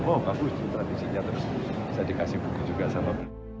wah bagus sih tradisinya terus saya dikasih buku juga sama